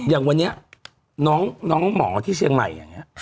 อย่างวันนี้น้องหมอที่เชียงใหม่